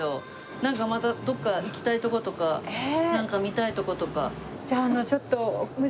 なんかまたどこか行きたいとことかなんか見たいとことか。